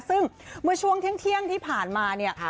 ซึ่งเมื่อช่วงเที่ยงที่ผ่านมาเนี่ย